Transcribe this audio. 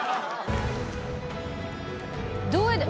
どうやって？